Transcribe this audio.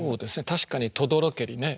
確かに「とどろけり」ね。